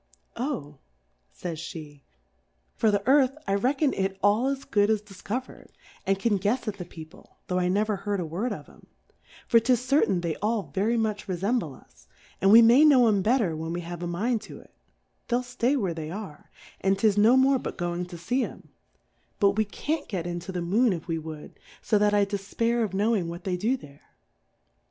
Oh, faysjhe^ for the Earth I reckon it all as good as difcover'd, and can guefs at the People, tho' I never heard a Word of 'em ; for 'tis certain they all very much refemble' us, and we may know 'em better when we have a mindto't; they'll ftay where they are, and 'tis no more but going to fee 'em ; but 6i Di^courfes c?7 the but we can't get into the Moon if we would, {o that I dcfpair of knowing what they do there.